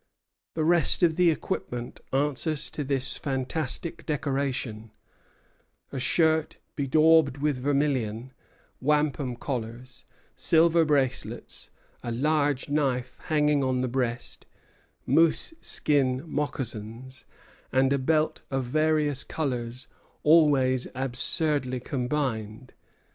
The rest of the equipment answers to this fantastic decoration: a shirt bedaubed with vermilion, wampum collars, silver bracelets, a large knife hanging on the breast, moose skin moccasons, and a belt of various colors always absurdly combined.